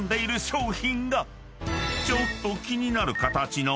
［ちょっと気になる形の］